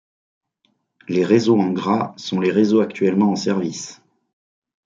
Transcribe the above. Les réseaux en gras sont les réseaux actuellement en service.